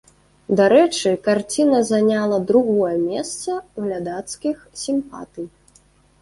Дарэчы, карціна заняла другое месца глядацкіх сімпатый.